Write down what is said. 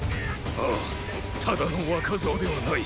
ああただの若造ではない。